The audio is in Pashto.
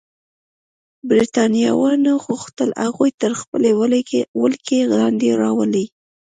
برېټانویانو غوښتل هغوی تر خپلې ولکې لاندې راولي.